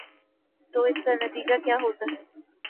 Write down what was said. تو اس کا نتیجہ کیا ہو تا ہے۔